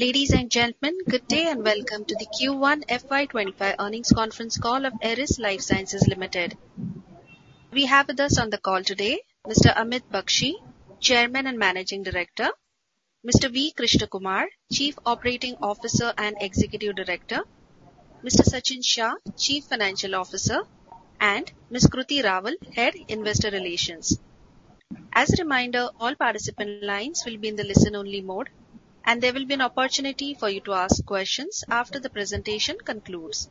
Ladies and gentlemen, good day and welcome to the Q1 FY25 earnings conference call of Eris Lifesciences Limited. We have with us on the call today Mr. Amit Bakshi, Chairman and Managing Director; Eris Lifesciences Limited, Chief Operating Officer and Executive Director; Mr. Sachin Shah, Chief Financial Officer; and Ms. Kruti Raval, Head Investor Relations. As a reminder, all participant lines will be in the listen-only mode, and there will be an opportunity for you to ask questions after the presentation concludes.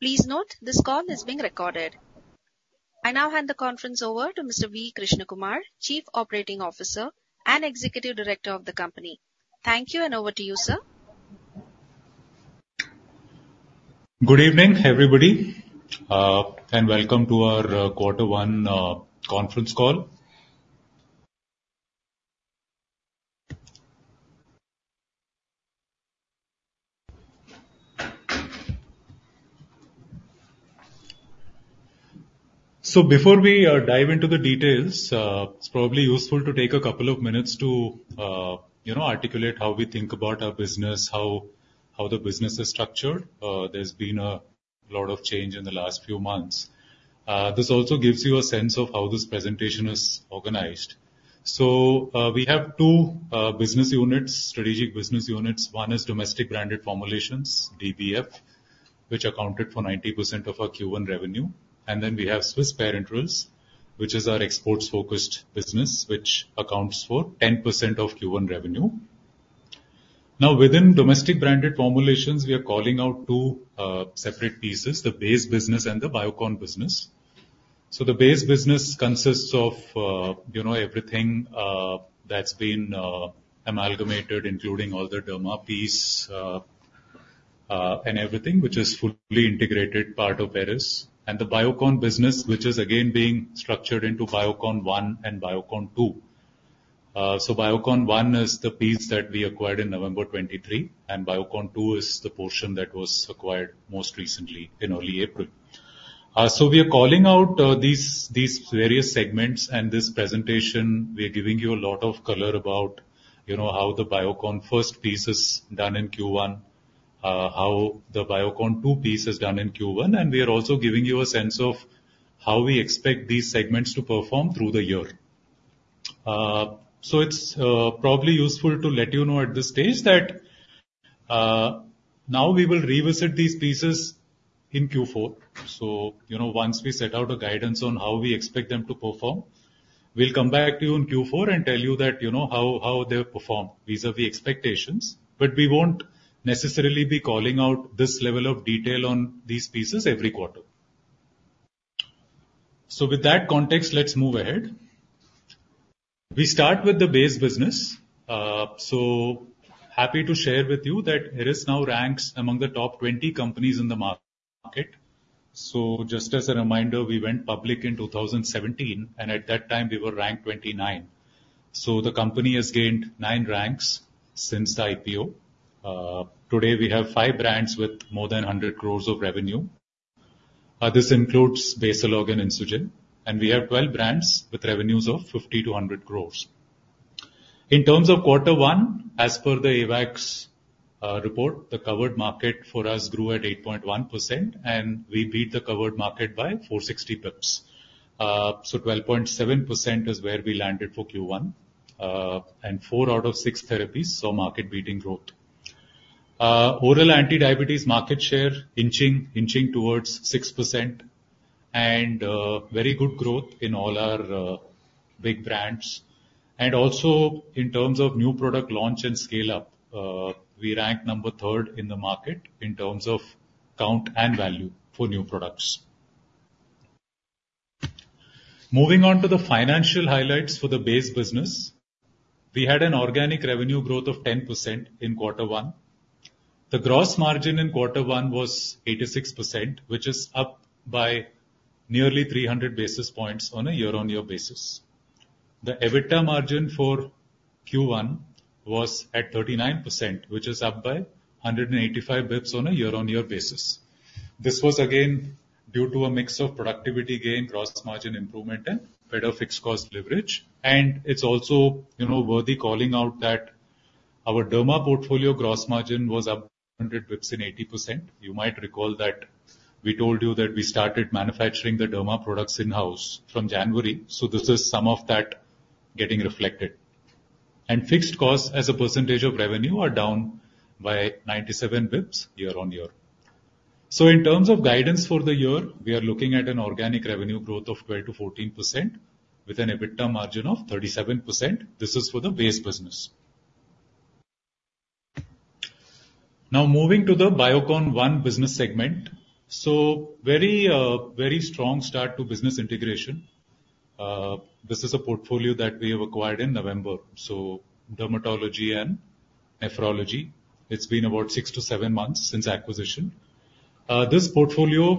Please note, this call is being recorded. I now hand the conference over to Mr. V. Krishnakumar, Chief Operating Officer and Executive Director of the company. Thank you, and over to you, sir. Good evening, everybody, and welcome to our Quarter One conference call. So before we dive into the details, it's probably useful to take a couple of minutes to articulate how we think about our business, how the business is structured. There's been a lot of change in the last few months. This also gives you a sense of how this presentation is organized. So we have two business units, strategic business units. One is Domestic Branded Formulations, DBF, which accounted for 90% of our Q1 revenue. And then we have Swiss Parenterals, which is our exports-focused business, which accounts for 10% of Q1 revenue. Now, within Domestic Branded Formulations, we are calling out two separate pieces, the Base business and the Biocon business. So the Base business consists of everything that's been amalgamated, including all the Derma piece and everything, which is fully integrated part of Eris. The Biocon business, which is again being structured into Biocon-1 and Biocon-2. Biocon-1 is the piece that we acquired in November 2023, and Biocon-2 is the portion that was acquired most recently in early April. We are calling out these various segments, and this presentation, we are giving you a lot of color about how the Biocon first piece is done in Q1, how the Biocon-2 piece is done in Q1, and we are also giving you a sense of how we expect these segments to perform through the year. It's probably useful to let you know at this stage that now we will revisit these pieces in Q4. Once we set out a guidance on how we expect them to perform, we'll come back to you in Q4 and tell you how they perform vis-à-vis expectations. But we won't necessarily be calling out this level of detail on these pieces every quarter. So with that context, let's move ahead. We start with the Base business. So happy to share with you that Eris now ranks among the top 20 companies in the market. So just as a reminder, we went public in 2017, and at that time, we were ranked 29. So the company has gained nine ranks since the IPO. Today, we have five brands with more than 100 crore of revenue. This includes Basalog and Insugen, and we have 12 brands with revenues of 50 crore to 100 crore. In terms of Quarter One, as per the AIOCD AWACS report, the covered market for us grew at 8.1%, and we beat the covered market by 460 bips. So 12.7% is where we landed for Q1, and four out of six therapies saw market-beating growth. Oral anti-diabetes market share inching towards 6%, and very good growth in all our big brands. And also, in terms of new product launch and scale-up, we ranked number third in the market in terms of count and value for new products. Moving on to the financial highlights for the Base business, we had an organic revenue growth of 10% in Quarter One. The gross margin in Quarter One was 86%, which is up by nearly 300 basis points on a year-on-year basis. The EBITDA margin for Q1 was at 39%, which is up by 185 basis points on a year-on-year basis. This was again due to a mix of productivity gain, gross margin improvement, and better fixed cost leverage. It's also worthy calling out that our Derma portfolio gross margin was up 100 basis points to 80%. You might recall that we told you that we started manufacturing the Derma products in-house from January. So this is some of that getting reflected. Fixed costs as a percentage of revenue are down by 97 basis points year-on-year. So in terms of guidance for the year, we are looking at an organic revenue growth of 12%-14% with an EBITDA margin of 37%. This is for the Base business. Now, moving to the Biocon-1 business segment, so very strong start to business integration. This is a portfolio that we have acquired in November, so dermatology and nephrology. It's been about six to seven months since acquisition. This portfolio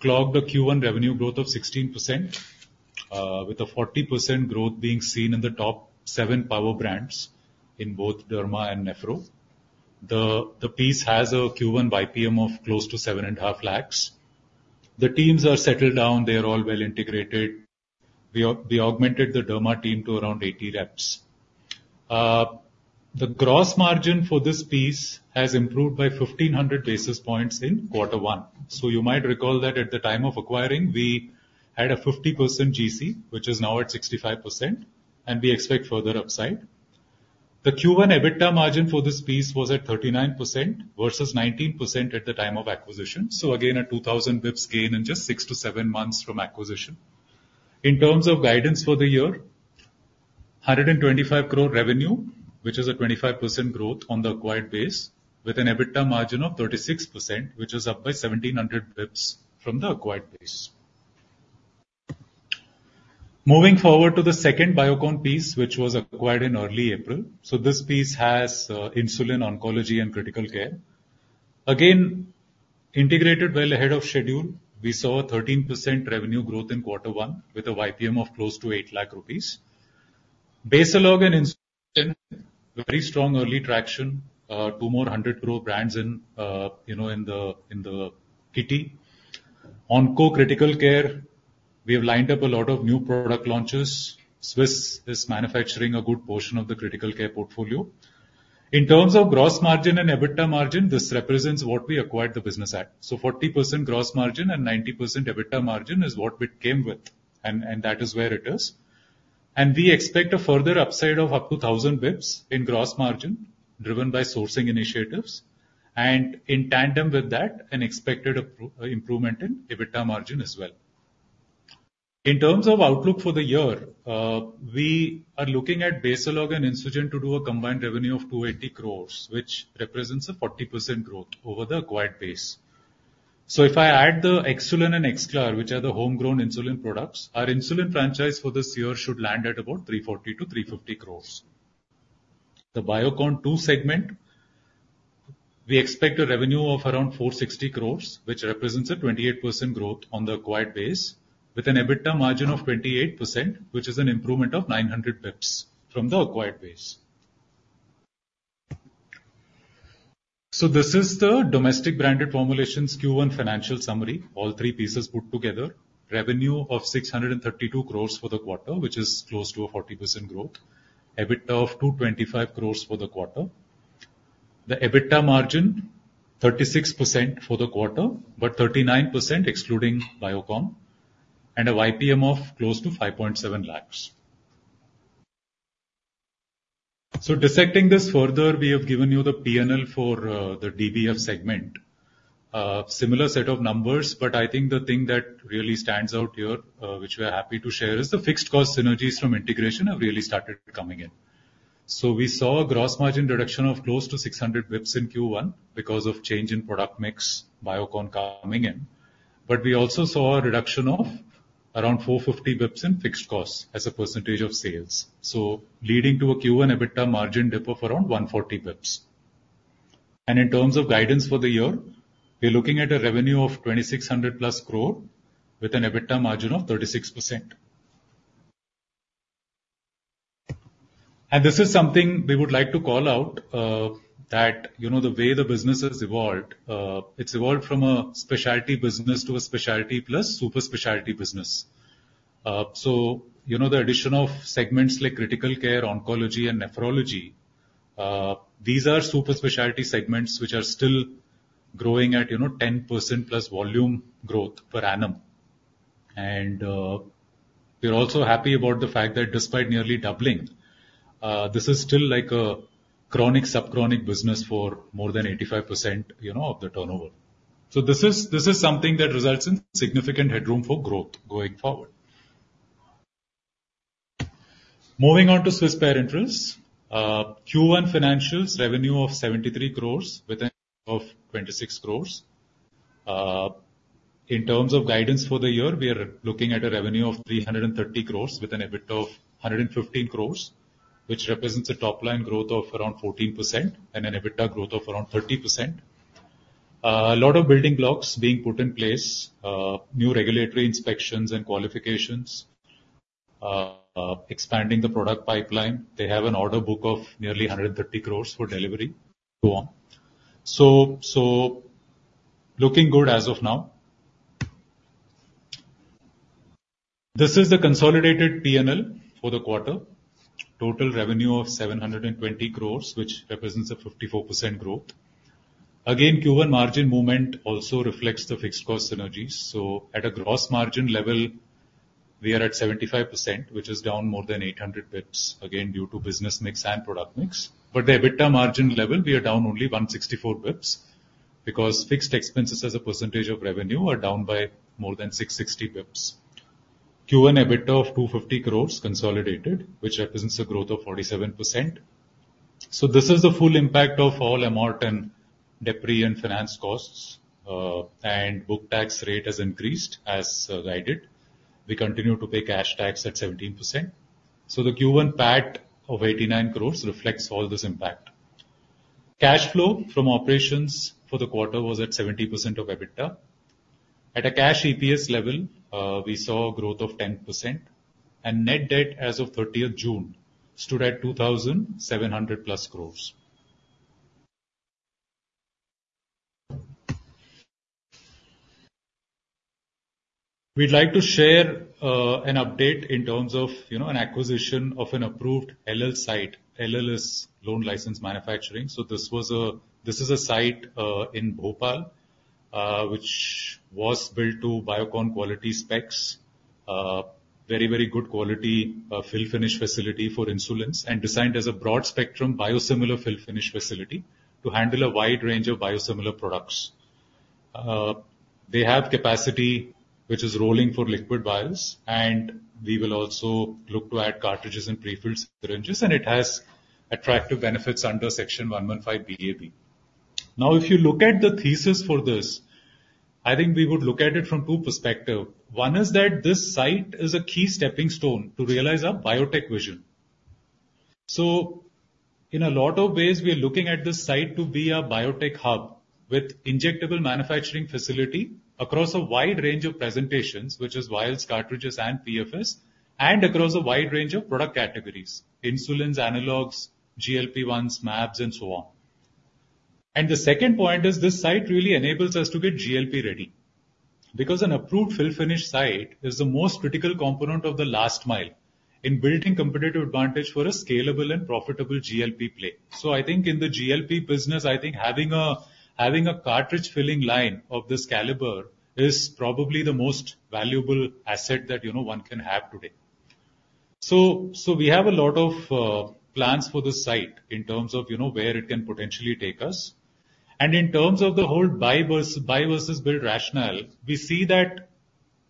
clocked the Q1 revenue growth of 16%, with a 40% growth being seen in the top seven power brands in both Derma and Nephro. This has a Q1 IPM of close to 7.5 lakhs. The teams are settled down. They are all well integrated. We augmented the Derma team to around 80 reps. The gross margin for this piece has improved by 1,500 basis points in Quarter One. So you might recall that at the time of acquiring, we had a 50% GC, which is now at 65%, and we expect further upside. The Q1 EBITDA margin for this piece was at 39% versus 19% at the time of acquisition. So again, a 2,000 bips gain in just six to seven months from acquisition. In terms of guidance for the year, 125 crore revenue, which is a 25% growth on the acquired base, with an EBITDA margin of 36%, which is up by 1,700 bips from the acquired base. Moving forward to the second Biocon piece, which was acquired in early April. So this piece has insulin, oncology, and critical care. Again, integrated well ahead of schedule, we saw a 13% revenue growth in Quarter One with a IPM of close to 8 lakh rupees. Basalog and Insugen, very strong early traction, two more 100 crore brands in the kitty. On co-critical care, we have lined up a lot of new product launches. Swiss is manufacturing a good portion of the critical care portfolio. In terms of gross margin and EBITDA margin, this represents what we acquired the business at. So 40% gross margin and 90% EBITDA margin is what we came with, and that is where it is. And we expect a further upside of up to 1,000 basis points in gross margin driven by sourcing initiatives. And in tandem with that, an expected improvement in EBITDA margin as well. In terms of outlook for the year, we are looking at Basalog and Insugen to do a combined revenue of 280 crore, which represents a 40% growth over the acquired base. So if I add the Xsulin and Xglar, which are the homegrown insulin products, our insulin franchise for this year should land at about 340 crore-350 crore. The Biocon-2 segment, we expect a revenue of around 460 crore, which represents a 28% growth on the acquired base, with an EBITDA margin of 28%, which is an improvement of 900 basis points from the acquired base. So this is the Domestic Branded Formulations Q1 financial summary, all three pieces put together. Revenue of 632 crore for the quarter, which is close to a 40% growth. EBITDA of 225 crore for the quarter. The EBITDA margin, 36% for the quarter, but 39% excluding Biocon, and a IPM of close to 5.7 lakhs. So dissecting this further, we have given you the P&L for the DBF segment. Similar set of numbers, but I think the thing that really stands out here, which we are happy to share, is the fixed cost synergies from integration have really started coming in. So we saw a gross margin reduction of close to 600 basis points in Q1 because of change in product mix, Biocon coming in. But we also saw a reduction of around 450 basis points in fixed costs as a percentage of sales, so leading to a Q1 EBITDA margin dip of around 140 basis points. And in terms of guidance for the year, we're looking at a revenue of 2,600+ crore with an EBITDA margin of 36%. This is something we would like to call out that the way the business has evolved, it's evolved from a Specialty business to a Specialty Plus Super Specialty business. So the addition of segments like Critical Care, Oncology, and Nephrology, these are Super Specialty Segments which are still growing at 10%+ volume growth per annum. We're also happy about the fact that despite nearly doubling, this is still like a Chronic/Sub-chronic business for more than 85% of the turnover. So this is something that results in significant headroom for growth going forward. Moving on to Swiss Parenterals, Q1 financials revenue of 73 crores with a EBITDA of 26 crores. In terms of guidance for the year, we are looking at a revenue of 330 crores with an EBITDA of 115 crores, which represents a top-line growth of around 14% and an EBITDA growth of around 30%. A lot of building blocks being put in place, new regulatory inspections and qualifications, expanding the product pipeline. They have an order book of nearly 130 crores for delivery too. So looking good as of now. This is the consolidated P&L for the quarter, total revenue of 720 crores, which represents a 54% growth. Again, Q1 margin movement also reflects the fixed cost synergies. So at a gross margin level, we are at 75%, which is down more than 800 basis points, again, due to business mix and product mix. The EBITDA margin level, we are down only 164 basis points because fixed expenses as a percentage of revenue are down by more than 660 basis points. Q1 EBITDA of 250 crores consolidated, which represents a growth of 47%. This is the full impact of all Amort and Depri and finance costs. Book tax rate has increased as guided. We continue to pay cash tax at 17%. The Q1 PAT of 89 crores reflects all this impact. Cash flow from operations for the quarter was at 70% of EBITDA. At a cash EPS level, we saw a growth of 10%. Net debt as of 30th June stood at 2,700+ crores. We'd like to share an update in terms of an acquisition of an approved loan license site, loan license manufacturing. So this is a site in Bhopal, which was built to Biocon quality specs, very, very good quality fill finish facility for insulins and designed as a broad spectrum biosimilar fill finish facility to handle a wide range of biosimilar products. They have capacity, which is rolling for liquid vials, and we will also look to add cartridges and prefilled syringes, and it has attractive benefits under Section 115BAB. Now, if you look at the thesis for this, I think we would look at it from two perspectives. One is that this site is a key stepping stone to realize our Biotech vision. So in a lot of ways, we are looking at this site to be a Biotech Hub with injectable manufacturing facility across a wide range of presentations, which is vials, cartridges, and PFS, and across a wide range of product categories: Insulins, Analogs, GLP-1s, MABs, and so on. And the second point is this site really enables us to get GLP ready because an approved fill finish site is the most critical component of the last mile in building competitive advantage for a scalable and profitable GLP play. So I think in the GLP business, I think having a cartridge filling line of this caliber is probably the most valuable asset that one can have today. So we have a lot of plans for this site in terms of where it can potentially take us. In terms of the whole buy versus build rationale, we see that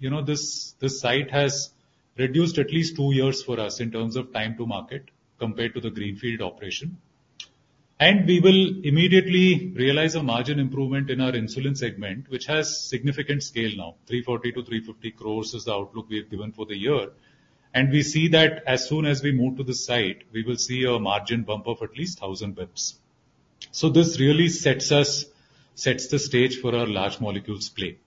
this site has reduced at least 2 years for us in terms of time to market compared to the greenfield operation. We will immediately realize a margin improvement in our insulin segment, which has significant scale now, 340 crore-350 crore is the outlook we have given for the year. We see that as soon as we move to the site, we will see a margin bump of at least 1,000 basis points. So this really sets the stage for our large molecules play.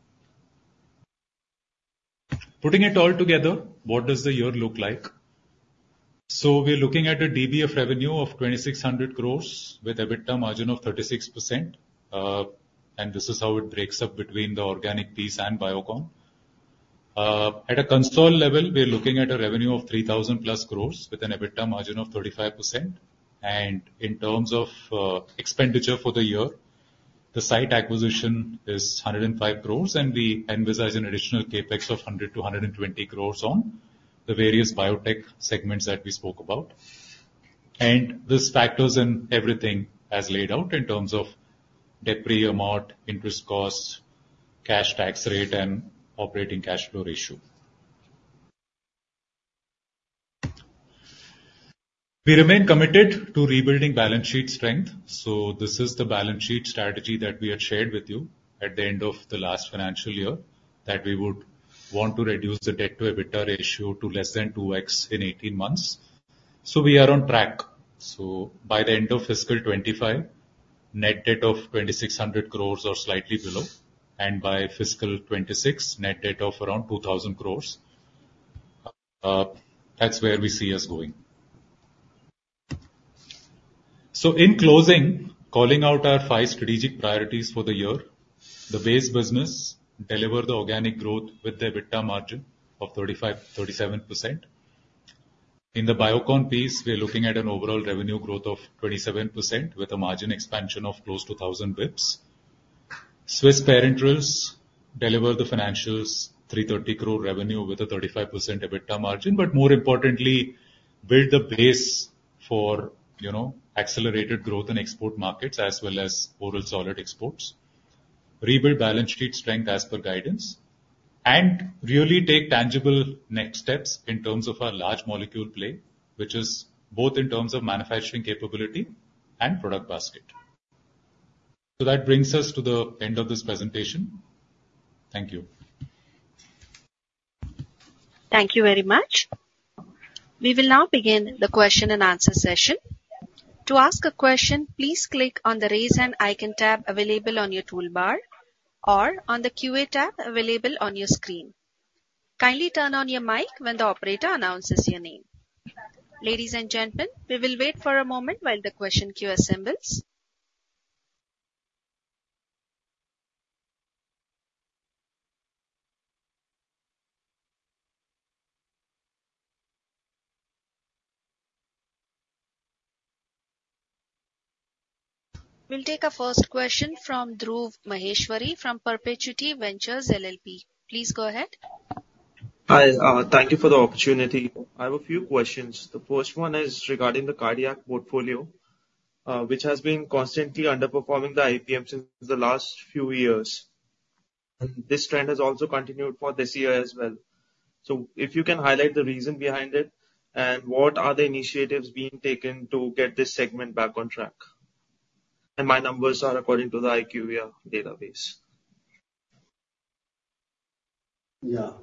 Putting it all together, what does the year look like? We're looking at a DBF revenue of 2,600 crore with EBITDA margin of 36%. This is how it breaks up between the organic piece and Biocon. At a consolidated level, we're looking at a revenue of 3,000+ crores with an EBITDA margin of 35%. In terms of expenditure for the year, the site acquisition is 105 crores, and we envisage an additional CapEx of 100-120 crores on the various biotech segments that we spoke about. This factors in everything as laid out in terms of depreciation, amortization, interest costs, cash tax rate, and operating cash flow ratio. We remain committed to rebuilding balance sheet strength. This is the balance sheet strategy that we had shared with you at the end of the last financial year that we would want to reduce the debt to EBITDA ratio to less than 2x in 18 months. We are on track. So by the end of fiscal 2025, net debt of 2,600 crore or slightly below, and by fiscal 2026, net debt of around 2,000 crore. That's where we see us going. In closing, calling out our five strategic priorities for the year, the Base business delivers the organic growth with the EBITDA margin of 35%-37%. In the Biocon piece, we're looking at an overall revenue growth of 27% with a margin expansion of close to 1,000 basis points. Swiss Parenterals delivers the financials 330 crore revenue with a 35% EBITDA margin, but more importantly, build the base for accelerated growth in export markets as well as oral solid exports. Rebuild balance sheet strength as per guidance and really take tangible next steps in terms of our large molecule play, which is both in terms of manufacturing capability and product basket. So that brings us to the end of this presentation. Thank you. Thank you very much. We will now begin the question and answer session. To ask a question, please click on the raise hand icon tab available on your toolbar or on the QA tab available on your screen. Kindly turn on your mic when the operator announces your name. Ladies and gentlemen, we will wait for a moment while the question queue assembles. We'll take a first question from Dhruv Maheshwari from Perpetuity Ventures LLP. Please go ahead. Hi, thank you for the opportunity. I have a few questions. The first one is regarding the cardiac portfolio, which has been constantly underperforming the IPMs in the last few years. And this trend has also continued for this year as well. So if you can highlight the reason behind it and what are the initiatives being taken to get this segment back on track. And my numbers are according to the IQVIA database. Yeah.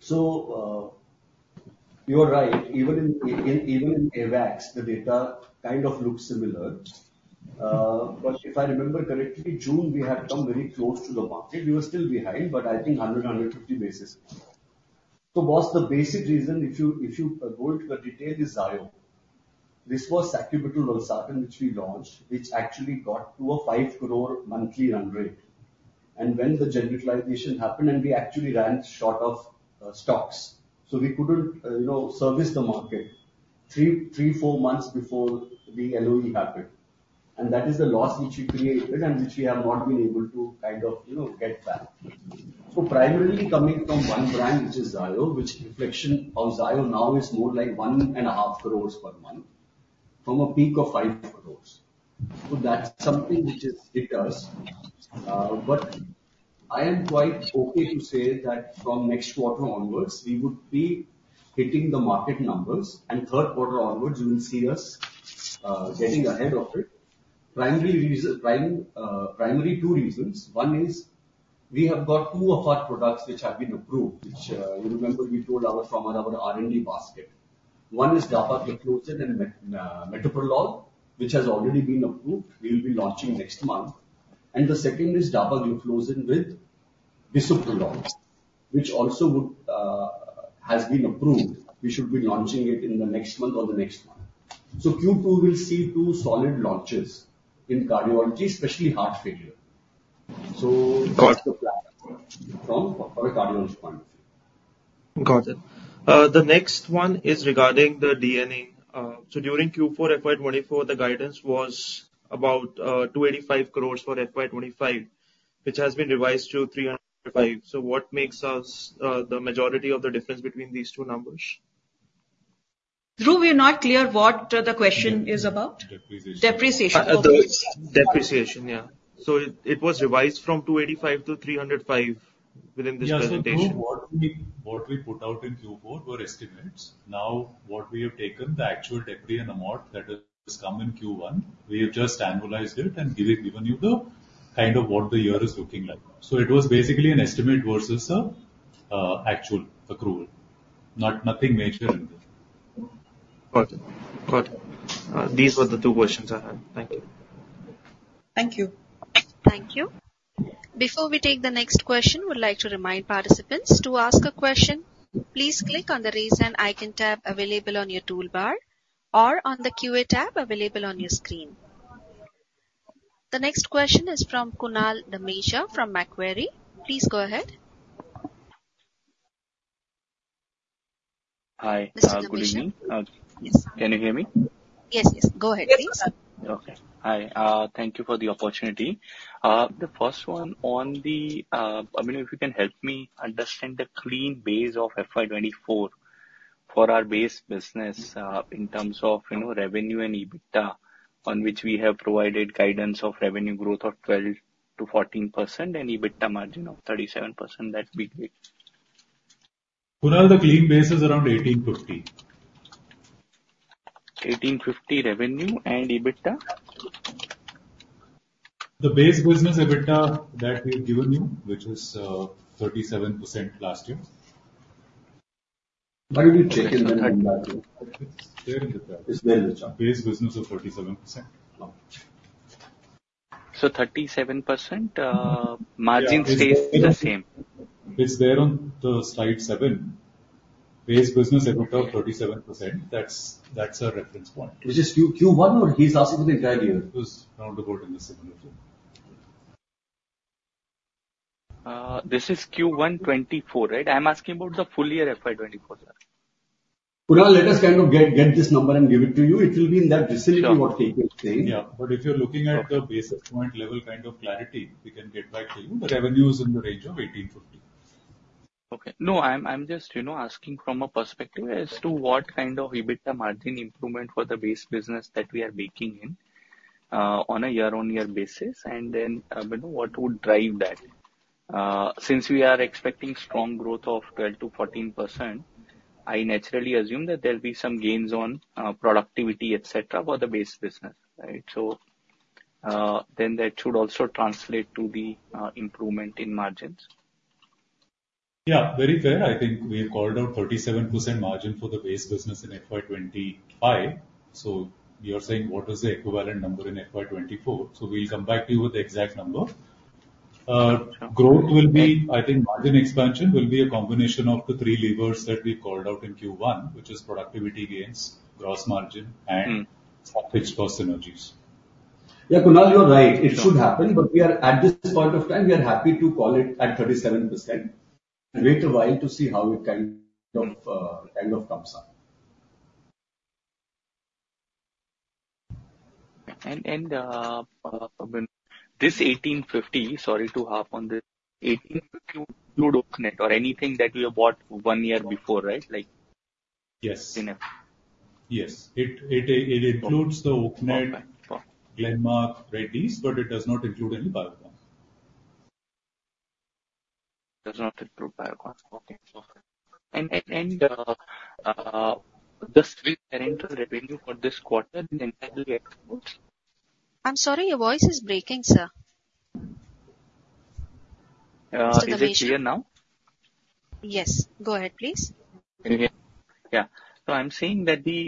So you're right. Even in AVAX, the data kind of looks similar. But if I remember correctly, June, we had come very close to the market. We were still behind, but I think 100-150 basis. So boss, the basic reason, if you go into the detail, is Zayo. This was sacubitril valsartan, which we launched, which actually got to a 5 crore monthly run rate. And when the generalization happened, and we actually ran short of stocks, so we couldn't service the market 3-4 months before the LOE happened. And that is the loss which we created and which we have not been able to kind of get back. So primarily coming from one brand, which is Zayo, which reflection of Zayo now is more like 1.5 crore per month from a peak of 5 crore. So that's something which is hit us. But I am quite okay to say that from next quarter onwards, we would be hitting the market numbers. And third quarter onwards, you will see us getting ahead of it. Primary two reasons. One is we have got two of our products which have been approved, which you remember we told our R&D basket. One is dapagliflozin and metoprolol, which has already been approved. We will be launching next month. And the second is dapagliflozin with bisoprolol, which also has been approved. We should be launching it in the next month or the next month. So Q2, we'll see two solid launches in cardiology, especially heart failure. So that's the plan from a cardiology point of view. Got it. The next one is regarding the D&A. So during Q4 FY 2024, the guidance was about 285 crore for FY 2025, which has been revised to 305 crore. So what makes us the majority of the difference between these two numbers? Dhruv, you're not clear what the question is about? Depreciation. Depreciation. Yeah. So it was revised from 285 crore to 305 crore within this presentation. So what we put out in Q4 were estimates. Now, what we have taken, the actual depreciation and amortization that has come in Q1, we have just analyzed it and given you the kind of what the year is looking like. So it was basically an estimate versus an actual accrual. Nothing major in there. Got it. Got it. These were the two questions I had. Thank you. Thank you. Thank you. Before we take the next question, we'd like to remind participants to ask a question. Please click on the raise hand icon tab available on your toolbar or on the QA tab available on your screen. The next question is from Kunal Dhamesha from Macquarie. Please go ahead. Hi. Good evening. Can you hear me? Yes, yes. Go ahead, please. Okay. Hi. Thank you for the opportunity. The first one on the, I mean, if you can help me understand the clean base of FY24 for our Base business in terms of revenue and EBITDA, on which we have provided guidance of revenue growth of 12%-14% and EBITDA margin of 37% that we did. Kunal, the clean base is around 1,850. 1,850 revenue and EBITDA? The Base business EBITDA that we've given you, which is 37% last year. What did you check in the chart? It's there in the chart. It's there in the chart. Base business of 37%. So 37% margin stays the same. It's there on the slide 7. Base business EBITDA of 37%. That's our reference point. Which is Q1 or he's asking for the entire year? It was roundabout in the similar form. This is Q1 2024, right? I'm asking about the full year FY2024. Kunal, let us kind of get this number and give it to you. It will be in that vicinity what KK is saying. Yeah. But if you're looking at the basis point level kind of clarity, we can get back to you. The revenue is in the range of 1,850. Okay. No, I'm just asking from a perspective as to what kind of EBITDA margin improvement for the Base business that we are baking in on a year-on-year basis and then what would drive that. Since we are expecting strong growth of 12%-14%, I naturally assume that there will be some gains on productivity, etc., for the Base business, right? So then that should also translate to the improvement in margins. Yeah. Very fair. I think we have called out 37% margin for the Base business in FY25. So you're saying what was the equivalent number in FY24? So we'll come back to you with the exact number. Growth will be, I think margin expansion will be a combination of the three levers that we called out in Q1, which is productivity gains, gross margin, and fixed cost synergies. Yeah, Kunal, you're right. It should happen. But at this point of time, we are happy to call it at 37%. Wait a while to see how it kind of comes up. This 1850, sorry to harp on this, 1850 would include Oaknet or anything that we have bought one year before, right? Yes. Yes. It includes the Oaknet, Glenmark, Reddy's, but it does not include any Biocon. Does not include Biocon. Okay. The Swiss Parenterals revenue for this quarter in entire exports? I'm sorry, your voice is breaking, sir. Is it clear now? Yes. Go ahead, please. Yeah. So I'm seeing that the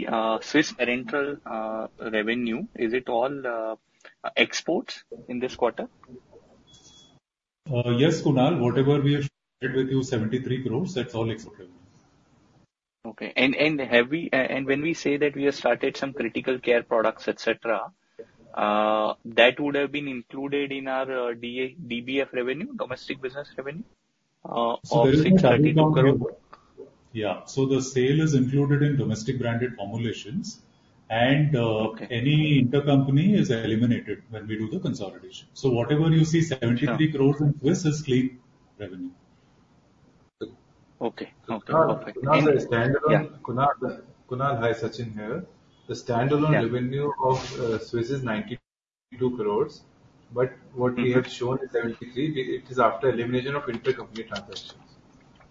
Swiss Parenterals revenue, is it all exports in this quarter? Yes, Kunal. Whatever we have shared with you, 73 crore, that's all export revenue. Okay. When we say that we have started some critical care products, etc., that would have been included in our DBF revenue, domestic business revenue? So very quickly, INR 32 crore. Yeah. So the sale is included in Domestic Branded Formulations, and any intercompany is eliminated when we do the consolidation. So whatever you see, 73 crore in Swiss is clean revenue. Okay. Okay. Perfect. Now, the standalone Kunal, hi, Sachin here. The standalone revenue of Swiss is 92 crore, but what we have shown is 73. It is after elimination of intercompany transactions.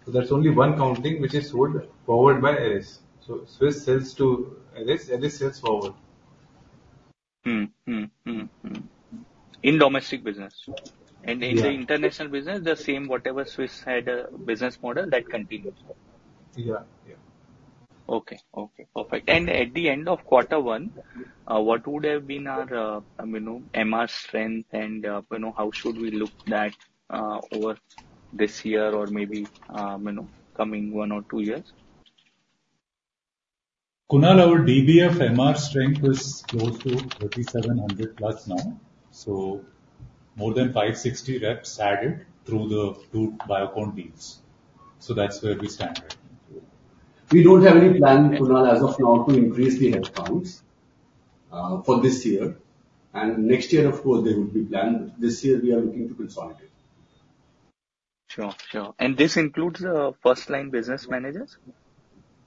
So that's only one counting which is sold forward by Eris. So Swiss sells to Eris. Eris sells forward. In domestic business. And in the international business, the same whatever Swiss had a business model that continues. Yeah. Yeah. Okay. Okay. Perfect. And at the end of quarter one, what would have been our MR strength and how should we look that over this year or maybe coming one or two years? Kunal, our DBF MR strength is close to 3,700+ now. So more than 560 reps added through the two Biocon deals. So that's where we stand right now. We don't have any plan, Kunal, as of now, to increase the headcounts for this year. And next year, of course, there would be plan. This year, we are looking to consolidate. Sure. Sure. And this includes first-line business managers?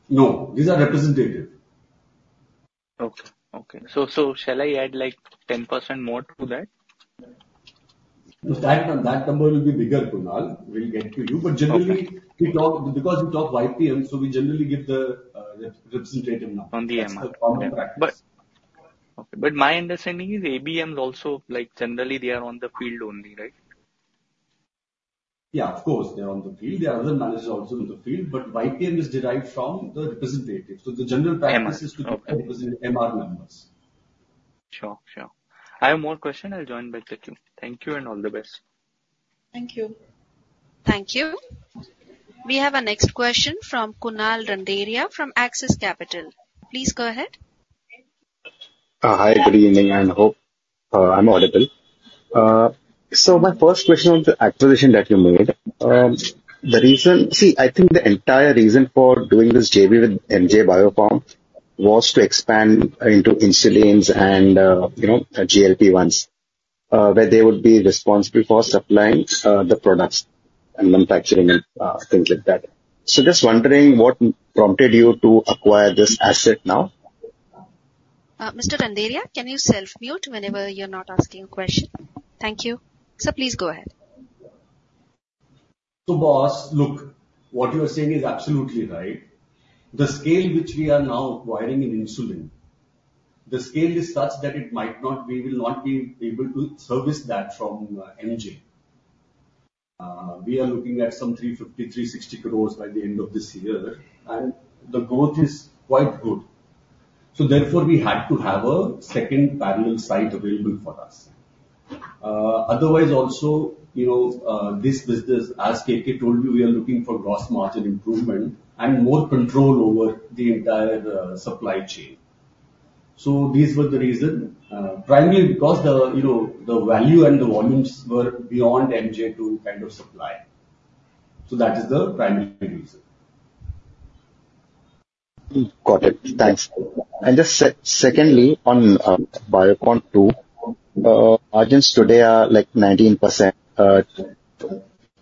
No. These are representative. Okay. Okay. So shall I add like 10% more to that? That number will be bigger, Kunal. We'll get to you. But generally, because we talk IPM, so we generally give the representative number. On the MR. Okay. But my understanding is ABMs also generally they are on the field only, right? Yeah, of course. They're on the field. There are other managers also in the field. But IPM is derived from the representative. So the general practice is to represent MR members. Sure. Sure. I have more questions. I'll join back to you. Thank you and all the best. Thank you. Thank you. We have a next question from Kunal Randeria from Axis Capital. Please go ahead. Hi, good evening, and I hope I'm audible. So my first question on the acquisition that you made, the reason see, I think the entire reason for doing this JV with MJ Biopharm was to expand into insulins and GLP-1s, where they would be responsible for supplying the products and manufacturing and things like that. So just wondering what prompted you to acquire this asset now? Mr. Randeria, can you self-mute whenever you're not asking a question? Thank you. So please go ahead. So boss, look, what you are saying is absolutely right. The scale which we are now acquiring in insulin, the scale is such that we will not be able to service that from MJ. We are looking at some 350-360 crores by the end of this year, and the growth is quite good. So therefore, we had to have a second parallel site available for us. Otherwise, also, this business, as KK told you, we are looking for gross margin improvement and more control over the entire supply chain. So these were the reason, primarily because the value and the volumes were beyond MJ to kind of supply. So that is the primary reason. Got it. Thanks. And just secondly, on Biocon 2, margins today are like 19%.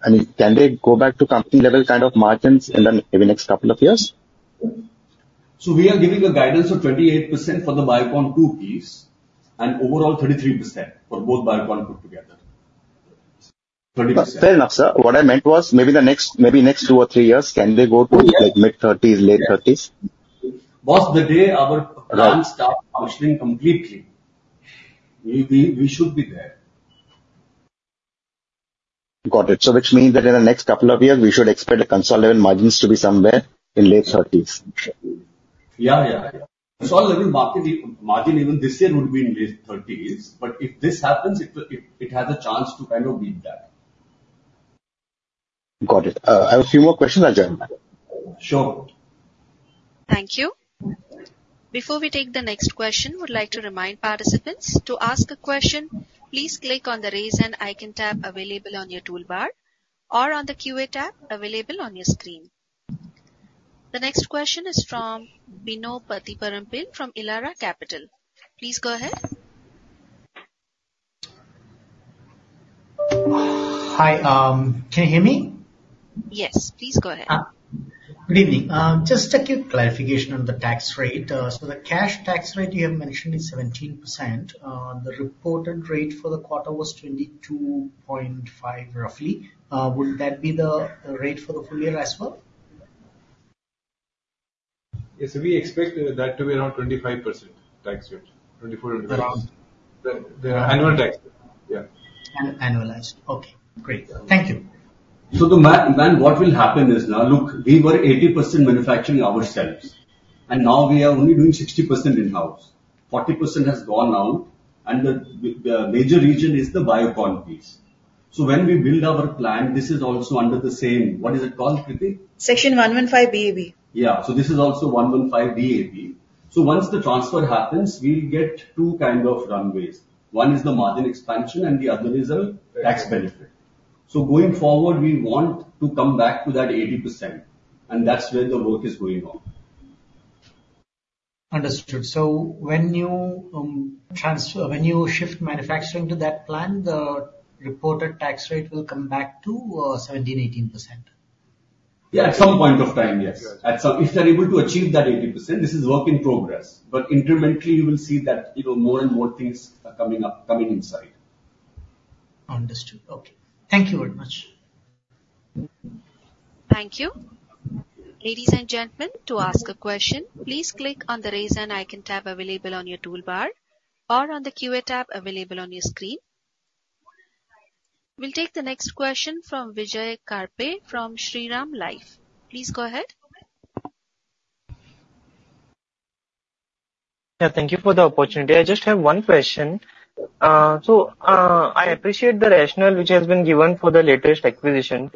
I mean, can they go back to company-level kind of margins in the next couple of years? So we are giving a guidance of 28% for the Biocon 2 piece and overall 33% for both Biocon put together. 30%. Fair enough, sir. What I meant was maybe the next two or three years, can they go to mid-30s, late-30s? Boss, the day our plan start functioning completely, we should be there. Got it. So which means that in the next couple of years, we should expect the consolidated margins to be somewhere in late-30s. Yeah, yeah. Consolidated margin even this year would be in late-30s. But if this happens, it has a chance to kind of beat that. Got it. I have a few more questions. Sure. Thank you. Before we take the next question, we'd like to remind participants to ask a question. Please click on the raise hand icon tab available on your toolbar or on the QA tab available on your screen. The next question is from Bino Pathiparampil from Elara Capital. Please go ahead. Hi. Can you hear me? Yes. Please go ahead. Good evening. Just a quick clarification on the tax rate. So the cash tax rate you have mentioned is 17%. The reported rate for the quarter was 22.5% roughly. Would that be the rate for the full year as well? Yes. We expect that to be around 25% tax rate. 24%. The annual tax rate. Yeah. Annualized. Okay. Great. Thank you. So man, what will happen is now, look, we were 80% manufacturing ourselves, and now we are only doing 60% in-house. 40% has gone out, and the major reason is the Biocon piece. So when we build our plan, this is also under the same, what is it called? Section 115BAB. Yeah. So this is also 115BAB. So once the transfer happens, we'll get two kind of runways. One is the margin expansion, and the other is a tax benefit. So going forward, we want to come back to that 80%, and that's where the work is going on. Understood. So when you shift manufacturing to that plan, the reported tax rate will come back to 17%-18%? Yeah, at some point of time, yes. If they're able to achieve that 80%, this is work in progress. But incrementally, you will see that more and more things are coming inside. Understood. Okay. Thank you very much. Thank you. Ladies and gentlemen, to ask a question, please click on the raise hand icon tab available on your toolbar or on the QA tab available on your screen. We'll take the next question from Vijay Karpe from Shriram Life. Please go ahead. Yeah. Thank you for the opportunity. I just have one question. So I appreciate the rationale which has been given for the latest acquisition.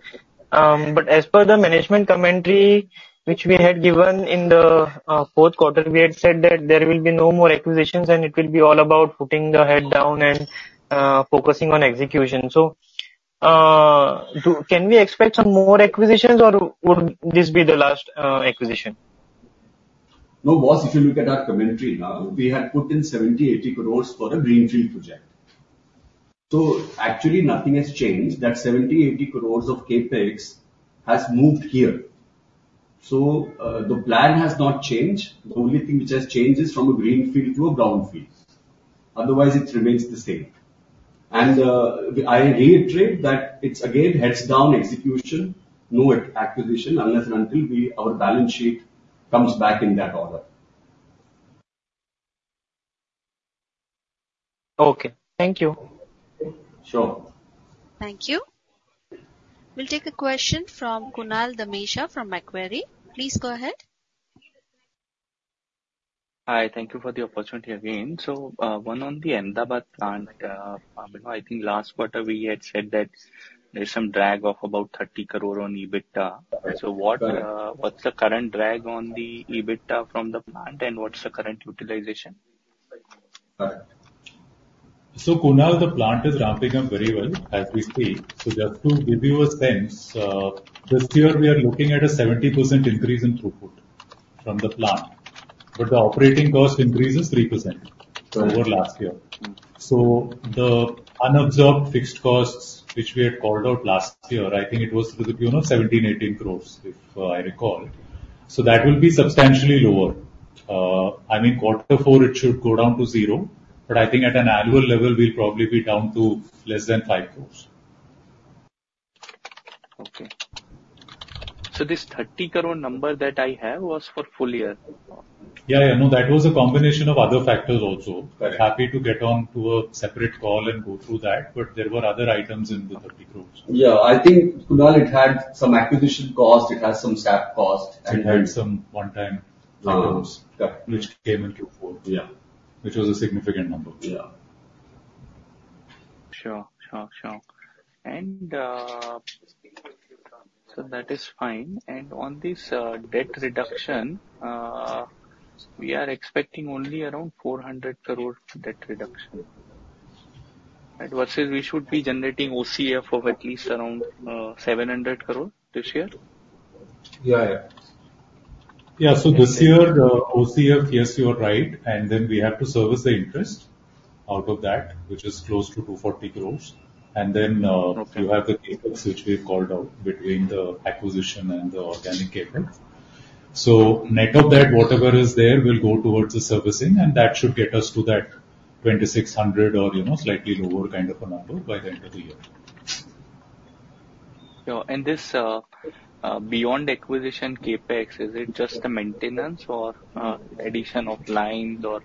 As per the management commentary which we had given in the fourth quarter, we had said that there will be no more acquisitions, and it will be all about putting the head down and focusing on execution. Can we expect some more acquisitions, or would this be the last acquisition? No, boss, if you look at our commentary now, we had put in 70-80 crores for a greenfield project. So actually, nothing has changed. That 70-80 crores of CapEx has moved here. So the plan has not changed. The only thing which has changed is from a greenfield to a brownfield. Otherwise, it remains the same. I reiterate that it's again heads down execution, no acquisition, unless and until our balance sheet comes back in that order. Okay. Thank you. Sure. Thank you. We'll take a question from Kunal Dhamesha from Macquarie. Please go ahead. Hi. Thank you for the opportunity again. So one on the Ahmedabad plant. I think last quarter, we had said that there's some drag of about 30 crore on EBITDA. So what's the current drag on the EBITDA from the plant, and what's the current utilization? So Kunal, the plant is ramping up very well, as we see. So just to give you a sense, this year, we are looking at a 70% increase in throughput from the plant. But the operating cost increase is 3% over last year. So the unobserved fixed costs, which we had called out last year, I think it was to the tune of 17-18 crore, if I recall. So that will be substantially lower. I mean, quarter four, it should go down to zero. But I think at an annual level, we'll probably be down to less than 5 crore. Okay. So this 30 crore number that I have was for full year? Yeah. Yeah. No, that was a combination of other factors also. But happy to get on to a separate call and go through that. But there were other items in the 30 crores. Yeah. I think, Kunal, it had some acquisition cost. It has some SAP cost. It had some one-time items, which came into full, which was a significant number. Yeah. Sure. Sure. Sure. And so that is fine. And on this debt reduction, we are expecting only around 400 crore debt reduction. Versus we should be generating OCF of at least around 700 crore this year? Yeah. Yeah. Yeah. So this year, the OCF, yes, you're right. And then we have to service the interest out of that, which is close to 240 crores. Then you have the CapEx, which we have called out between the acquisition and the organic CapEx. So net of that, whatever is there, will go towards the servicing, and that should get us to that 2,600 or slightly lower kind of a number by the end of the year. And this beyond acquisition CapEx, is it just the maintenance or addition of lines or?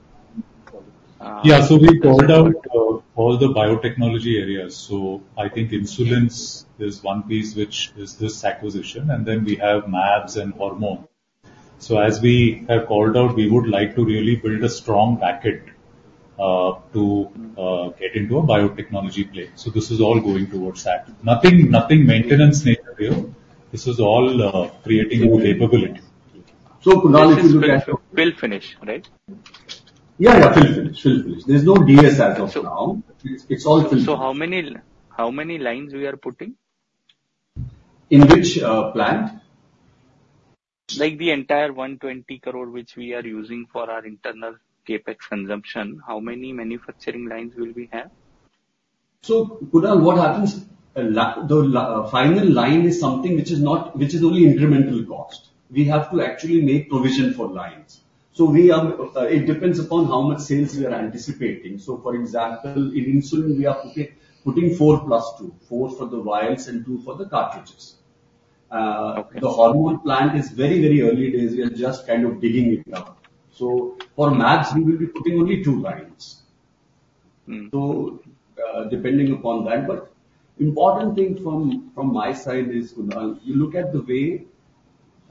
Yeah. So we called out all the biotechnology areas. So I think insulins, there's one piece which is this acquisition, and then we have MABs and hormone. So as we have called out, we would like to really build a strong packet to get into a biotechnology play. So this is all going towards that. Nothing maintenance nature here. This is all creating a capability. So Kunal, if you look at the fill finish, right? Yeah. Yeah. Fill finish. Fill finish. There's no DS as of now. It's all fill finish. So how many lines we are putting? In which plant? Like the entire 120 crore which we are using for our internal CapEx consumption, how many manufacturing lines will we have? So Kunal, what happens, the final line is something which is only incremental cost. We have to actually make provision for lines. So it depends upon how much sales we are anticipating. So for example, in insulin, we are putting 4 + 2, 4 for the vials and 2 for the cartridges. The hormone plant is very, very early days. We are just kind of digging it up. So for MABs, we will be putting only 2 lines. So depending upon that. But important thing from my side is, Kunal, you look at the way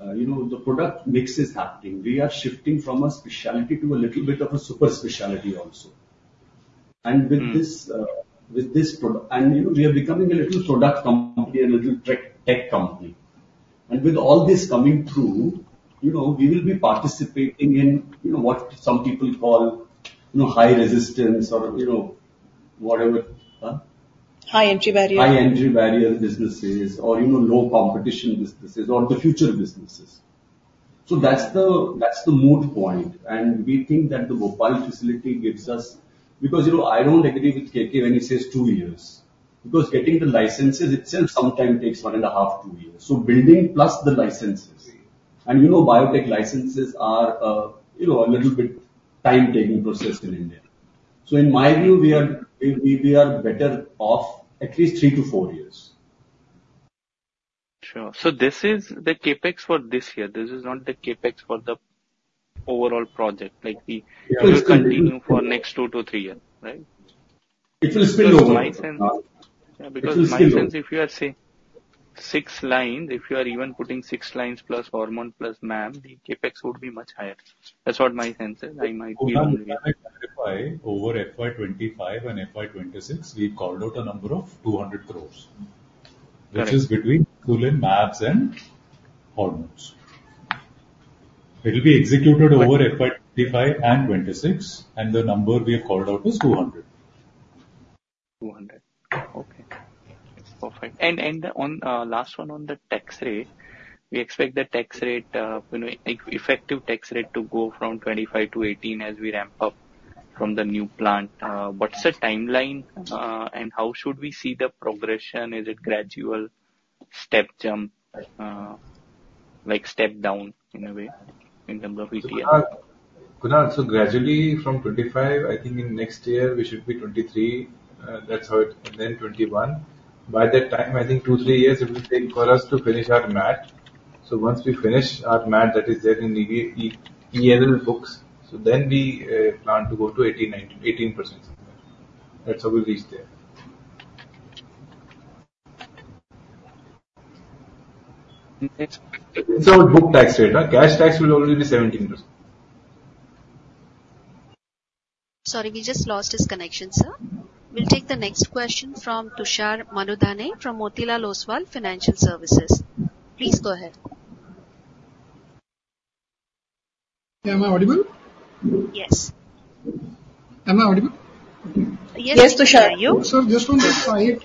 the product mix is happening. We are shifting from a specialty to a little bit of a super specialty also. With this product, we are becoming a little product company and a little tech company. With all this coming through, we will be participating in what some people call high resistance or whatever. High entry barrier. High entry barrier businesses or low competition businesses or the future businesses. So that's the moot point. We think that the mobile facility gives us because I don't agree with KK when he says 2 years. Because getting the licenses itself sometimes takes 1.5, 2 years. So building plus the licenses. Biotech licenses are a little bit time-taking process in India. So in my view, we are better off at least 3-4 years. Sure. So this is the CapEx for this year. This is not the CapEx for the overall project. It will continue for next 2-3 years, right? It will spill over. Yeah. Because my sense, if you are saying 6 lines, if you are even putting 6 lines plus hormone plus MAB, the CapEx would be much higher. That's what my sense is. I might be wrong. Over FY2025 and FY2026, we called out a number of 200 crore, which is between insulin, MABs, and hormones. It will be executed over FY2025 and 2026, and the number we have called out is 200. 200. Okay. Perfect. And last one on the tax rate, we expect the effective tax rate to go from 25% to 18% as we ramp up from the new plant. What's the timeline, and how should we see the progression? Is it gradual step jump, like step down in a way in terms of ETR? Kunal, so gradually from 25%, I think in next year, we should be 23%. That's how it, and then 21%. By that time, I think 2, 3 years it will take for us to finish our MAT. So once we finish our MAT, that is there in ELL books. So then we plan to go to 18%. That's how we reach there. It's our book tax rate. Cash tax will only be 17%. Sorry, we just lost his connection, sir. We'll take the next question from Tushar Manudhane from Motilal Oswal Financial Services. Please go ahead. Am I audible? Yes. Am I audible? Yes. Yes, Tushar. Sir, just on this site,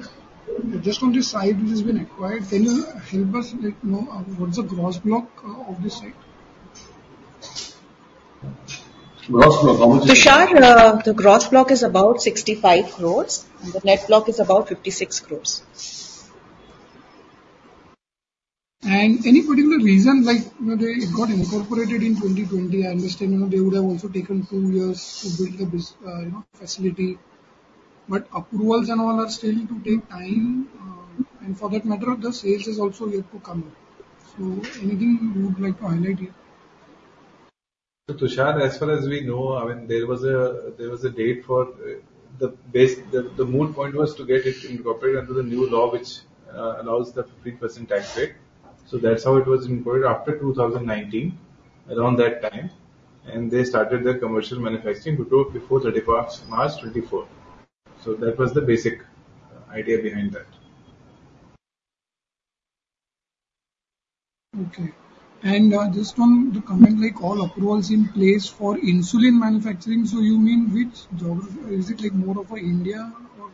just on this site which has been acquired, can you help us know what's the gross block of this site? Gross block? Tushar, the gross block is about 65 crore, and the net block is about 56 crore. Any particular reason, like it got incorporated in 2020, I understand they would have also taken 2 years to build the facility. But approvals and all are still to take time. And for that matter, the sales is also yet to come. So anything you would like to highlight here? Tushar, as far as we know, I mean, there was a date for the moot point was to get it incorporated under the new law, which allows the 15% tax rate. So that's how it was incorporated after 2019, around that time. And they started their commercial manufacturing before 31st March 2024. So that was the basic idea behind that. Okay. And just on the comment, like all approvals in place for insulin manufacturing, so you mean which geography? Is it like more of a India or?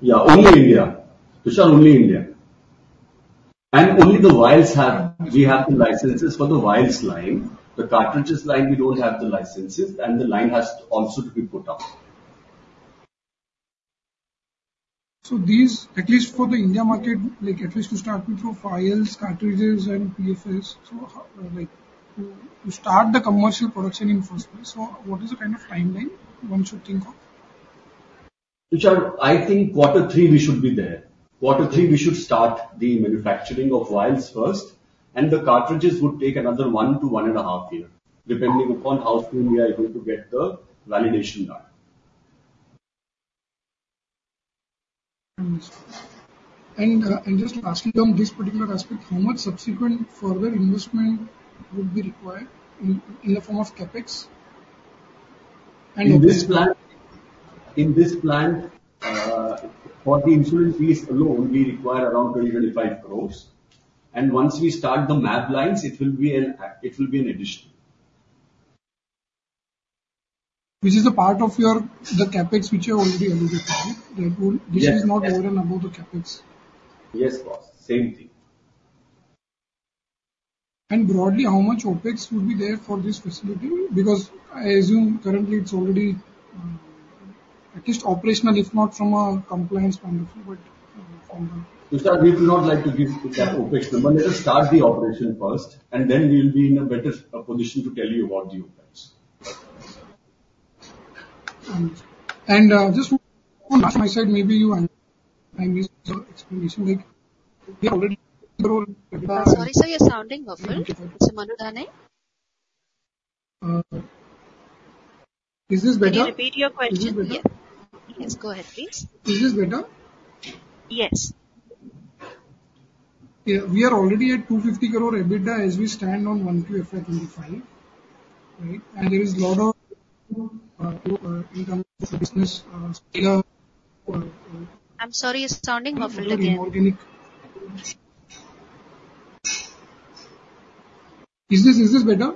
Yeah, only India. Tushar, only India. Only the vials have, we have the licenses for the vials line. The cartridges line, we don't have the licenses, and the line has also to be put up. So these, at least for the India market, like at least to start with for vials, cartridges, and PFS, to start the commercial production in first place, so what is the kind of timeline one should think of? Tushar, I think quarter three, we should be there. Quarter three, we should start the manufacturing of vials first, and the cartridges would take another 1 to 1.5 years, depending upon how soon we are going to get the validation done. And just asking on this particular aspect, how much subsequent further investment would be required in the form of CapEx? In this plant, for the insulin piece alone, we require around 20-25 crores. And once we start the MAB lines, it will be an addition. Which is a part of your the CapEx, which you already alluded to. This is not over and above the CapEx. Yes, boss. Same thing. And broadly, how much OpEx would be there for this facility? Because I assume currently it's already at least operational, if not from a compliance point of view, but from the. Tushar, we would not like to give that OpEx number. Let us start the operation first, and then we will be in a better position to tell you about the OpEx. And just on my side, maybe you—sorry. Sorry, sir. You're sounding muffled. Mr. Manudhane? Is this better? Can you repeat your question? Is this better? Yes, go ahead, please. Is this better? Yes. We are already at 250 crore EBITDA as we stand on 1Q FY25, right? There is a lot of income business. I'm sorry, you're sounding muffled again. Is this better?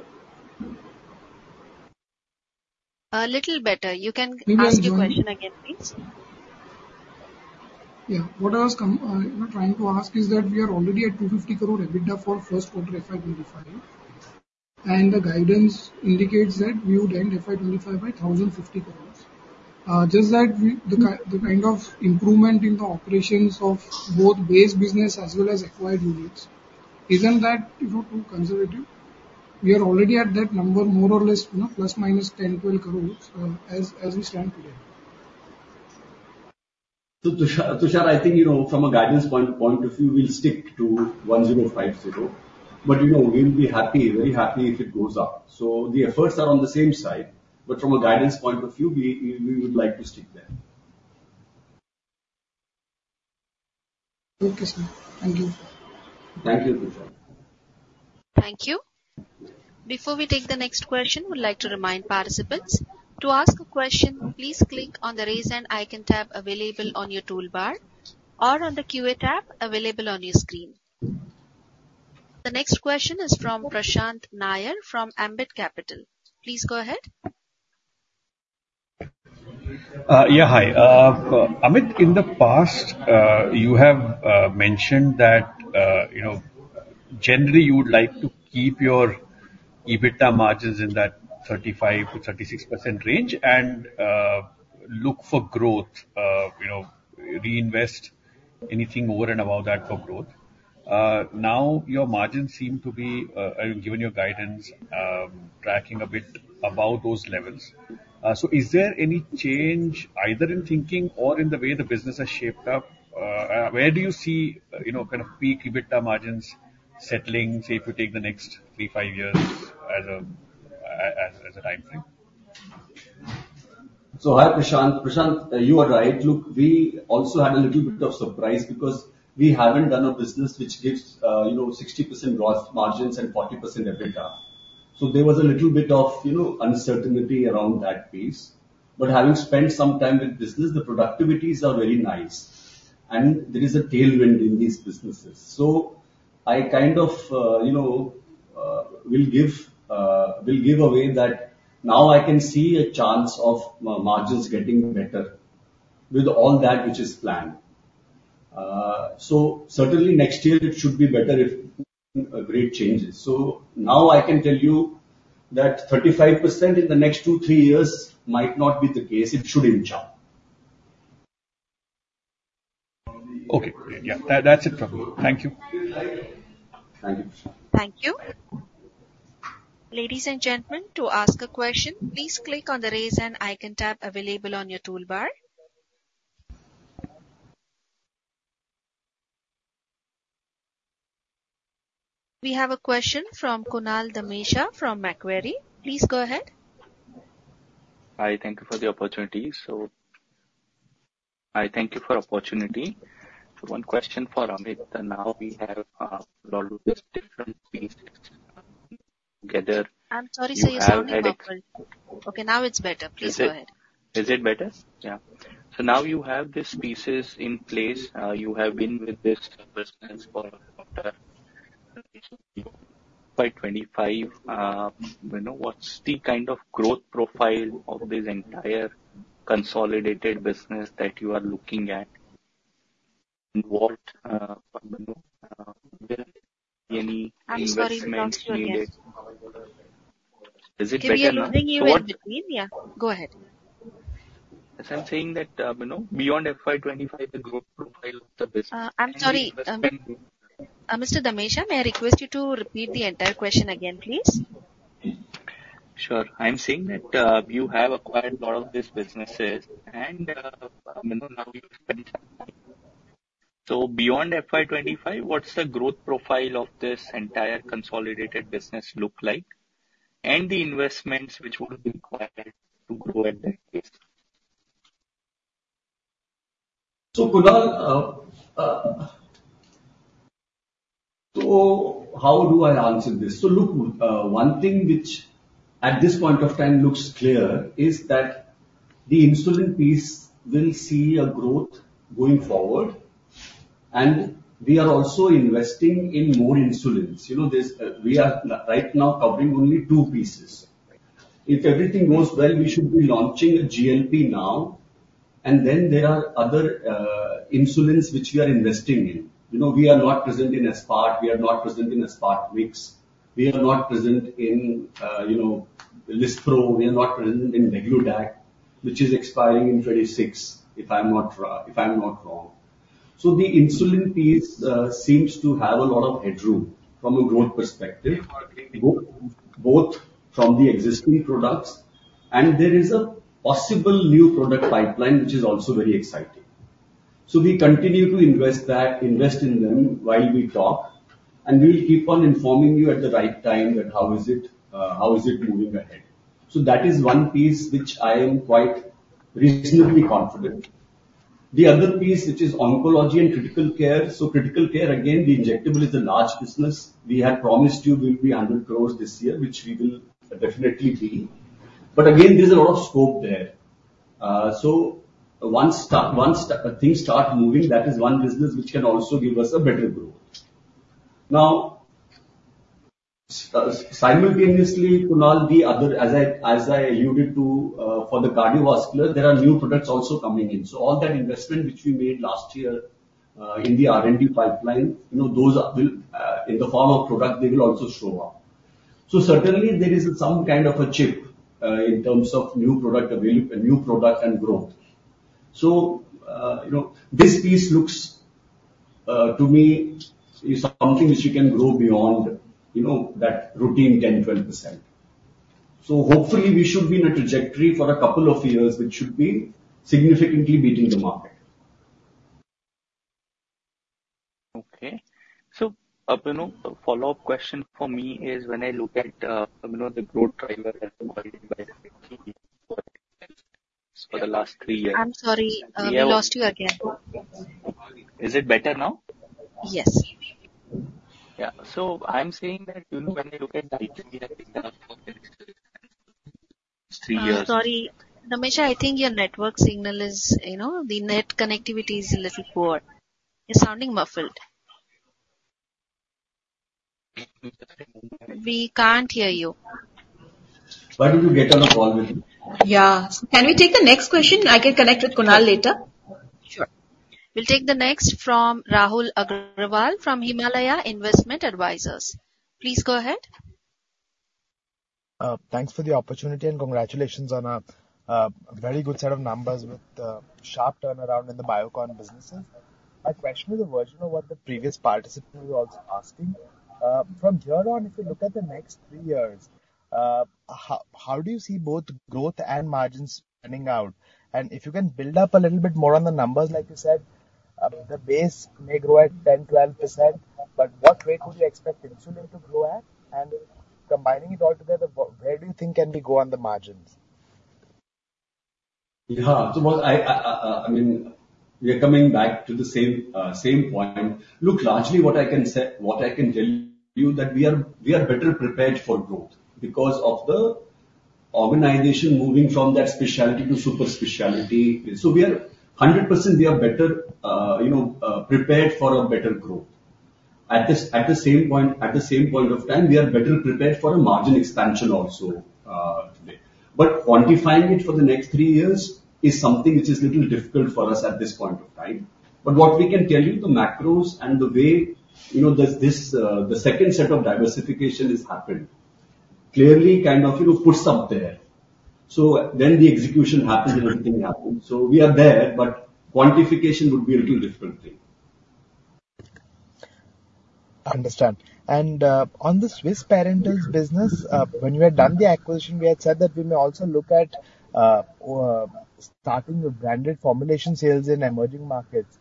A little better. You can ask your question again, please. Yeah. What I was trying to ask is that we are already at 250 crore EBITDA for first quarter FY25, and the guidance indicates that we would end FY25 by 1,050 crores. Just that the kind of improvement in the operations of both Base business as well as acquired units isn't that too conservative? We are already at that number, more or less, ±10-12 crores as we stand today. So Tushar, I think from a guidance point of view, we'll stick to 1,050. But we'll be happy, very happy if it goes up. So the efforts are on the same side. But from a guidance point of view, we would like to stick there. Okay, sir. Thank you. Thank you, Tushar. Thank you. Before we take the next question, we'd like to remind participants to ask a question. Please click on the raise hand icon tab available on your toolbar or on the QA tab available on your screen. The next question is from Prashant Nair from Ambit Capital. Please go ahead. Yeah. Hi. Amit, in the past, you have mentioned that generally you would like to keep your EBITDA margins in that 35%-36% range and look for growth, reinvest anything over and above that for growth. Now your margins seem to be, given your guidance, tracking a bit above those levels. So is there any change either in thinking or in the way the business has shaped up? Where do you see kind of peak EBITDA margins settling, say, if you take the next three, five years as a timeframe? So hi, Prashant. Prashant, you are right. Look, we also had a little bit of surprise because we haven't done a business which gives 60% gross margins and 40% EBITDA. So there was a little bit of uncertainty around that piece. But having spent some time with business, the productivities are very nice. And there is a tailwind in these businesses. So I kind of will give away that now I can see a chance of margins getting better with all that which is planned. So certainly next year, it should be better if a great change. So now I can tell you that 35% in the next two, three years might not be the case. It should inch up. Okay. Yeah. That's it from me. Thank you. Thank you, Prashant. Thank you. Ladies and gentlemen, to ask a question, please click on the raise hand icon tab available on your toolbar. We have a question from Kunal Dhamesha from Macquarie. Please go ahead. Hi. Thank you for the opportunity. So I thank you for the opportunity. So one question for Amit. Now we have all of these different pieces together. I'm sorry, sir. Your sound was muffled. Okay. Now it's better. Please go ahead. Is it better? Yeah. So now you have these pieces in place. You have been with this business for about 25. What's the kind of growth profile of this entire consolidated business that you are looking at? What? I'm sorry. Is it better now? You're losing your audio. Yeah. Go ahead. As I'm saying that beyond FY25, the growth profile of the business. I'm sorry. Mr. Dhamesha, may I request you to repeat the entire question again, please? Sure. I'm saying that you have acquired a lot of these businesses, and now you spend some time. So beyond FY25, what's the growth profile of this entire consolidated business look like? And the investments which would be required to grow at that pace? So Kunal, how do I answer this? So look, one thing which at this point of time looks clear is that the insulin piece will see a growth going forward, and we are also investing in more insulins. We are right now covering only two pieces. If everything goes well, we should be launching a GLP now, and then there are other insulins which we are investing in. We are not present in Aspart. We are not present in Aspart Mix. We are not present in Lispro. We are not present in Degludec, which is expiring in 2026, if I'm not wrong. So the insulin piece seems to have a lot of headroom from a growth perspective, both from the existing products, and there is a possible new product pipeline, which is also very exciting. So we continue to invest in them while we talk, and we'll keep on informing you at the right time that how is it moving ahead. So that is one piece which I am quite reasonably confident. The other piece, which is oncology and critical care. So critical care, again, the injectable is a large business. We had promised you we'll be 100 crore this year, which we will definitely be. But again, there's a lot of scope there. So once things start moving, that is one business which can also give us a better growth. Now, simultaneously, Kunal, the other, as I alluded to, for the cardiovascular, there are new products also coming in. So all that investment which we made last year in the R&D pipeline, those in the form of product, they will also show up. So certainly, there is some kind of a chip in terms of new product and growth. So this piece looks to me something which we can grow beyond that routine 10%-12%. So hopefully, we should be in a trajectory for a couple of years which should be significantly beating the market. Okay. So follow-up question for me is when I look at the growth driver for the last three years. I'm sorry. We lost you again. Is it better now? Yes. Yeah. So I'm saying that when I look at the three years. I'm sorry. Dhamesha, I think your network signal is the net connectivity is a little poor. You're sounding muffled. We can't hear you. Why did you get on a call with me? Yeah. Can we take the next question? I can connect with Kunal later. Sure. We'll take the next from Rahul Agrawal from Himalaya Investment Advisors. Please go ahead. Thanks for the opportunity and congratulations on a very good set of numbers with sharp turnaround in the Biocon businesses. My question is a version of what the previous participant was also asking. From here on, if you look at the next three years, how do you see both growth and margins spinning out? And if you can build up a little bit more on the numbers, like you said, the base may grow at 10%-12%, but what rate would you expect insulin to grow at? And combining it all together, where do you think can we go on the margins? Yeah. I mean, we are coming back to the same point. Look, largely what I can tell you is that we are better prepared for growth because of the organization moving from that specialty to super specialty. So 100%, we are better prepared for a better growth. At the same point, at the same point of time, we are better prepared for a margin expansion also today. But quantifying it for the next three years is something which is a little difficult for us at this point of time. But what we can tell you, the macros and the way the second set of diversification has happened clearly kind of puts up there. So then the execution happens and everything happens. So we are there, but quantification would be a little different thing. I understand. On the Swiss Parenterals' business, when we had done the acquisition, we had said that we may also look at starting a branded formulation sales in emerging markets.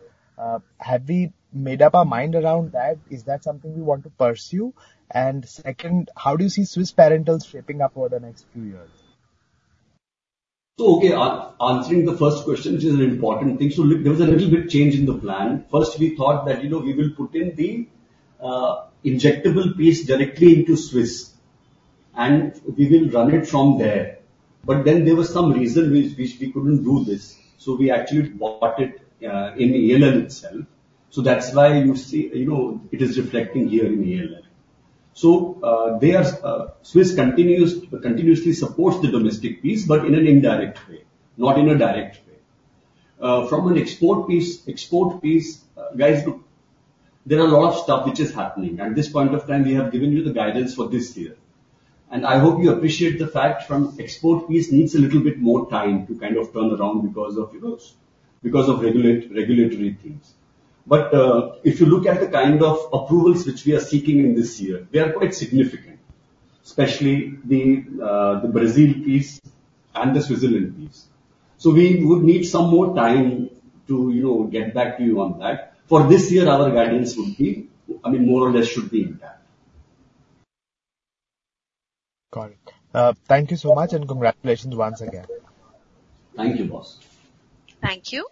Have we made up our mind around that? Is that something we want to pursue? Second, how do you see Swiss Parenterals shaping up over the next few years? Okay, answering the first question, which is an important thing. There was a little bit of change in the plan. First, we thought that we will put in the injectable piece directly into Swiss, and we will run it from there. But then there was some reason which we couldn't do this. We actually bought it in ELL itself. That's why you see it is reflecting here in ELL. Swiss continuously supports the domestic piece, but in an indirect way, not in a direct way. From an export piece, guys, look, there are a lot of stuff which is happening. At this point of time, we have given you the guidance for this year. And I hope you appreciate the fact from export piece needs a little bit more time to kind of turn around because of regulatory things. But if you look at the kind of approvals which we are seeking in this year, they are quite significant, especially the Brazil piece and the Switzerland piece. So we would need some more time to get back to you on that. For this year, our guidance would be, I mean, more or less should be intact. Got it. Thank you so much and congratulations once again. Thank you, boss. Thank you.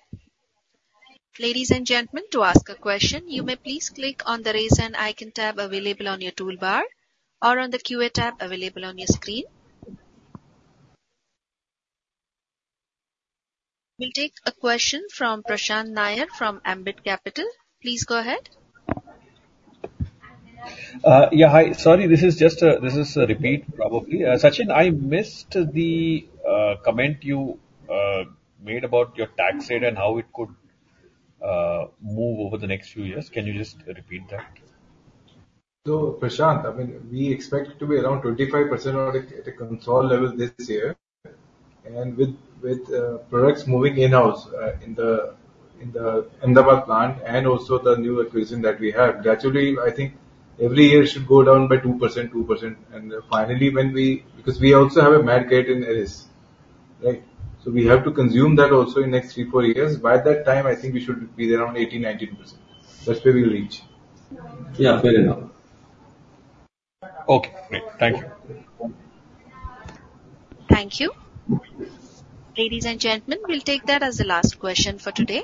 Ladies and gentlemen, to ask a question, you may please click on the raise hand icon tab available on your toolbar or on the QA tab available on your screen. We'll take a question from Prashant Nair from Ambit Capital. Please go ahead. Yeah. Hi. Sorry. This is just a repeat, probably. Sachin, I missed the comment you made about your tax rate and how it could move over the next few years. Can you just repeat that? So Prashant, I mean, we expect it to be around 25% at a consolidated level this year. And with products moving in-house in the Ahmedabad plant and also the new acquisition that we have, gradually, I think every year should go down by 2%, 2%. And finally, because we also have a market in Eris, right? So we have to consume that also in the next 3-4 years. By that time, I think we should be around 18%-19%. That's where we'll reach. Yeah. Fair enough. Okay. Great. Thank you. Thank you. Ladies and gentlemen, we'll take that as the last question for today.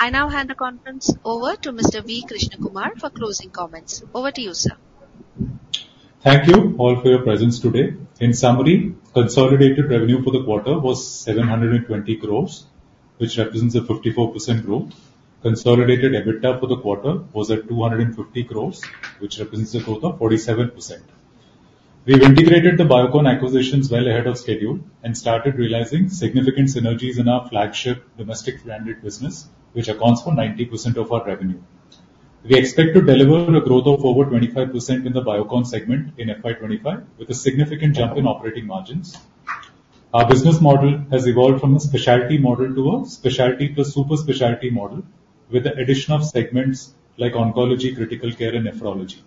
I now hand the conference over to Mr. V. Krishnakumar for closing comments. Over to you, sir. Thank you all for your presence today. In summary, consolidated revenue for the quarter was 720 crores, which represents a 54% growth. Consolidated EBITDA for the quarter was at 250 crores, which represents a growth of 47%. We've integrated the Biocon acquisitions well ahead of schedule and started realizing significant synergies in our flagship domestic branded business, which accounts for 90% of our revenue. We expect to deliver a growth of over 25% in the Biocon segment in FY25 with a significant jump in operating margins. Our business model has evolved from a specialty model to a specialty plus super specialty model with the addition of segments like oncology, critical care, and nephrology.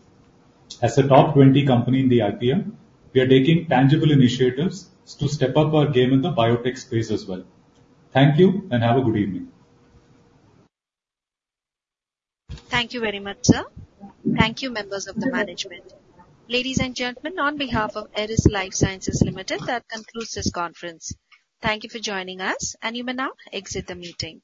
As a top 20 company in the IPM, we are taking tangible initiatives to step up our game in the biotech space as well. Thank you and have a good evening. Thank you very much, sir. Thank you, members of the management. Ladies and gentlemen, on behalf of Eris Lifesciences Limited, that concludes this conference. Thank you for joining us, and you may now exit the meeting.